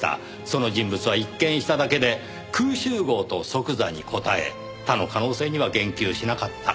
その人物は一見しただけで空集合と即座に答え他の可能性には言及しなかった。